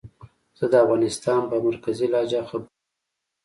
زه د افغانستان په مرکزي لهجه خبرې کووم